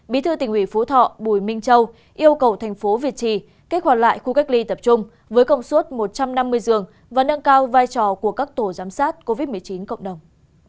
bí thư tỉnh ủy phú thọ bùi minh châu yêu cầu thành phố việt trì kích hoạt lại khu cách ly tập trung với công suất một trăm năm mươi giường và nâng cao vai trò của các tổ giám sát covid một mươi chín cộng đồng